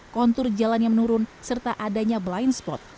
kontur jalan yang menurun serta adanya blind spot